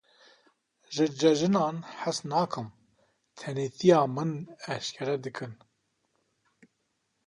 Ji cejinan hez nakim, tenêtiya min eşkere dikin.